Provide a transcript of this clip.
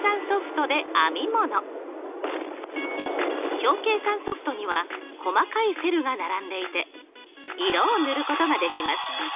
表計算ソフトには細かいセルが並んでいて色を塗ることができます。